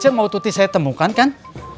saya mau tuti saya temukan kan